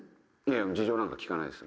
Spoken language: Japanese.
事情なんか聞かないですよ